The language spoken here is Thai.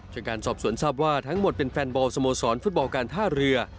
จากการสอบสวนทราบว่าทั้งหมดเป็นแฟนบอลสโมสรฟุตบอลการท่าเรือ